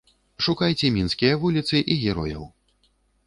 Шукайце мінскія вуліцы і герояў.